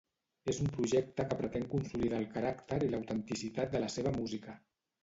És un projecte que pretén consolidar el caràcter i l'autenticitat de la seva música.